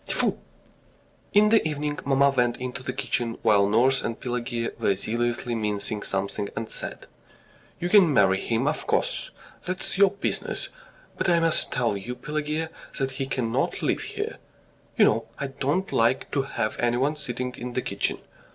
Tfoo!" In the evening mamma went into the kitchen, while nurse and Pelageya were zealously mincing something, and said: "You can marry him, of course that's your business but I must tell you, Pelageya, that he cannot live here. ... You know I don't like to have anyone sitting in the kitchen.